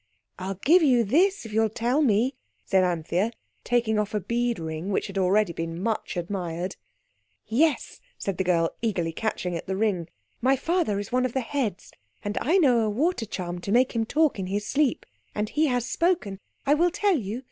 "I'll give you this if you'll tell me," said Anthea taking off a bead ring which had already been much admired. "Yes," said the girl, catching eagerly at the ring. "My father is one of the heads, and I know a water charm to make him talk in his sleep. And he has spoken. I will tell you.